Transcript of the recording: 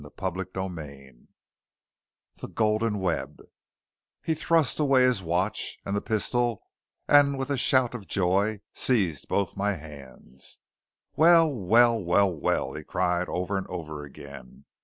CHAPTER XLIII THE GOLDEN WEB He thrust away his watch and the pistol and with a shout of joy seized both my hands. "Well! well! well! well!" he cried over and over again.